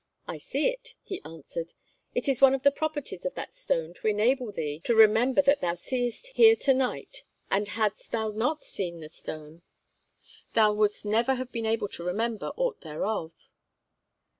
'I see it,' he answered. 'It is one of the properties of that stone to enable thee to remember that thou seest here to night, and hadst thou not seen the stone, thou wouldst never have been able to remember aught thereof.'